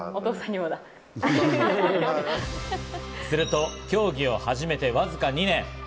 すると、競技を始めてわずか２年。